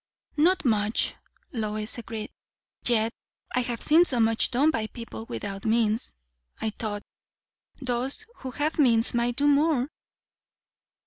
"Not much," Lois agreed. "Yet I have seen so much done by people without means I thought, those who have means might do more."